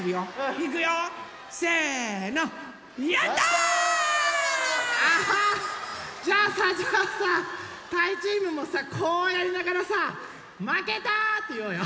やった！じゃあさじゃあさたいチームもさこうやりながらさ「まけた！」っていおうよ。